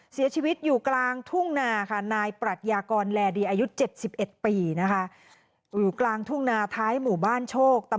เสียชีวิตอยู่กลางทุ่งนาค่ะนายปรัชญากรแลดีอายุ๗๑ปีนะคะ